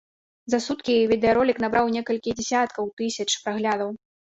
За суткі відэаролік набраў некалькі дзясяткаў тысяч праглядаў.